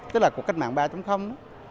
tức là của cách mạng ba